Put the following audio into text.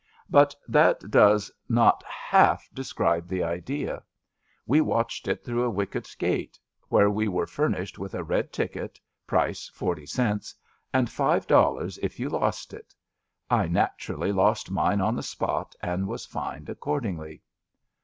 But that does^ not half describe the idea. We watched it through a wicket gate, where we were furnished with a red ticket, price forty cents, and five dollars if you lost it. I naturally lost mine on the spot and was fined accordingly.